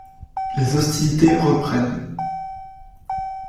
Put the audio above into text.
Les hostilités reprennent.